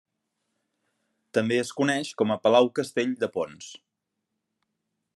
També es coneix com a Palau Castell de Pons.